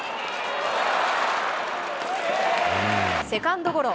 セカンドゴロ。